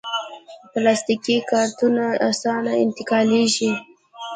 پلاستيکي کارتنونه اسانه انتقالېږي.